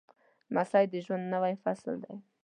لمسی د ژوند نوی فصل دی.